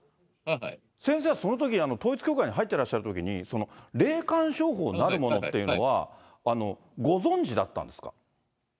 先生はそのとき、統一教会に入ってらっしゃるときに、霊感商法なるものっていうのはご存じだったんですか？